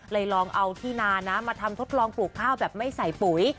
ลองเอาที่นานะมาทำทดลองปลูกข้าวแบบไม่ใส่ปุ๋ย